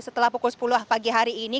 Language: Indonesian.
setelah pukul sepuluh pagi hari ini